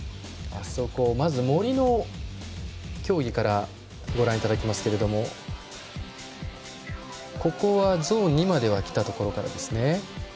まず森の競技からご覧いただきますけどもここはゾーン２まではきたところからですね。